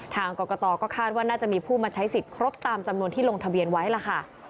ทางกรกตก็คาดว่าน่าจะมีผู้มาใช้สิทธิ์ครบตามจำนวนที่ลงทะเบียนไว้ล่ะค่ะ